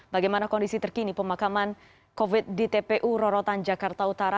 bagaimana kondisi terkini pemakaman covid di tpu rorotan jakarta utara